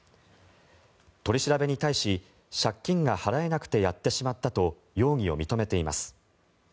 取り調べに対し借金が払えなくてやってしまったと容疑を認めています。